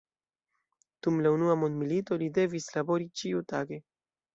Dum la unua mondmilito li devis labori ĉiutage.